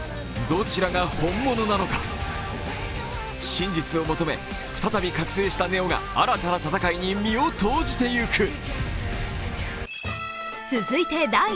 どちらが本物なのか、真実を求め再び覚醒したネオが新たな戦いに身を投じていく。